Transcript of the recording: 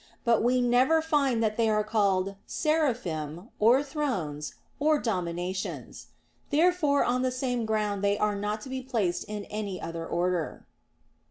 But we never find that they are called "Seraphim," or "Thrones," or "Dominations." Therefore on the same ground they are not to be placed in any other order.